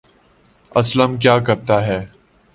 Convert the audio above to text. اسلم کیا کرتا ہے